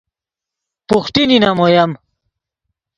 بوخٹی نینم اویم